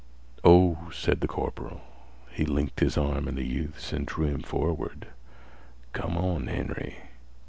"Oh," said the corporal. He linked his arm in the youth's and drew him forward. "Come on, Henry.